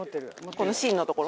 この芯のところ。